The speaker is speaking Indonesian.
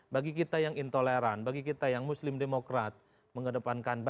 bagi kita yang intoleran bagi kita yang muslim demokrat mengedepankan basis basis yang intoleran